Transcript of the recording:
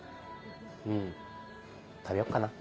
うん食べよっかな。